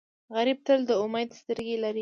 غریب تل د امید سترګې لري